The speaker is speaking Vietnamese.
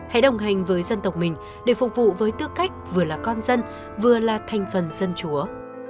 hãy đồng hành với dân tộc mình để phục vụ với tư cách vừa là con dân vừa là thành phần dân chúa